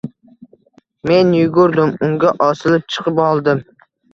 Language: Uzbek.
Men yugurdim, unga osilib chiqib oldim.